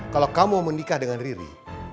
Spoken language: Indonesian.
kalau kamu menikah dengan riri